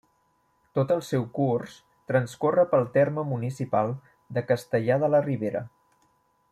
Tot el seu curs transcorre pel terme municipal de Castellar de la Ribera.